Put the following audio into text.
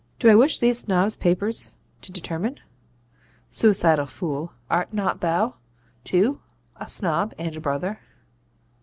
Do I wish these Snob papers to determine? Suicidal fool, art not thou, too, a Snob and a brother?